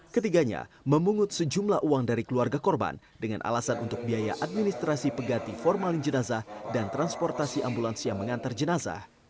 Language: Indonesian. ketiganya memungut sejumlah uang dari keluarga korban dengan alasan untuk biaya administrasi pegati formalin jenazah dan transportasi ambulans yang mengantar jenazah